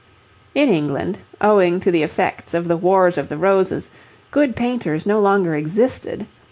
In England, owing to the effects of the Wars of the Roses, good painters no longer existed.